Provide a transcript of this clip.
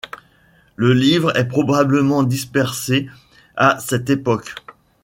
Le livre est probablement dispersé à cette époque.